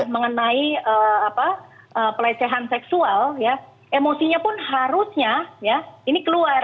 mengenai pelecehan seksual ya emosinya pun harusnya ya ini keluar